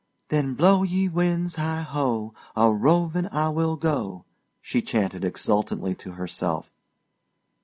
"Then blow, ye winds, heighho! A roving I will go," she chanted exultantly to herself.